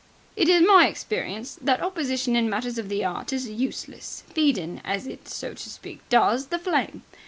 It is my experience that opposition in matters of the 'eart is useless, feedin', as it, so to speak, does the flame.